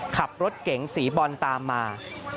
ขับรถเก๋งสีบอลตามมา